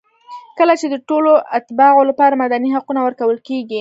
کله چې د ټولو اتباعو لپاره مدني حقونه ورکول کېږي.